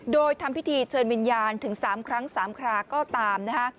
โดยทำพิธีเชิญวิญญาณถึง๓ครั้ง๓คราก็ตามนะฮะ